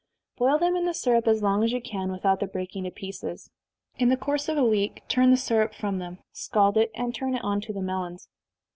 Boil them in the syrup as long as you can, without their breaking to pieces. In the course of a week turn the syrup from them, scald it, and turn it on to the melons.